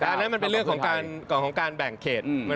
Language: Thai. อันนั้นเป็นเรื่องของการแบ่งเครด